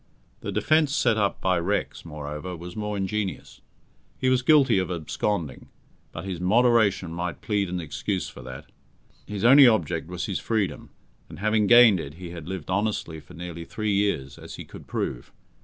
The defence set up by Rex, moreover, was most ingenious. He was guilty of absconding, but his moderation might plead an excuse for that. His only object was his freedom, and, having gained it, he had lived honestly for nearly three years, as he could prove.